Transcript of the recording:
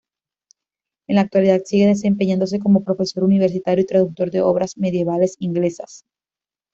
En la actualidad, sigue desempeñándose como profesor universitario y traductor de obras medievales inglesas.